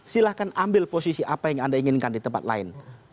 silahkan ambil posisi apa yang anda inginkan di tempat lain